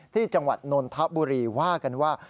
ที่จังหวัดนนทบุรีว่ากันว่า